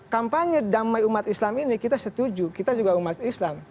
kampanye damai umat islam ini kita setuju kita juga umat islam